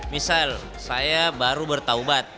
misal saya baru bertaubat